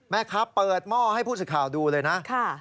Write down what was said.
แม่ค้าเปิดหม้อให้พูดสิทธิ์ข่าวดูเลยนะ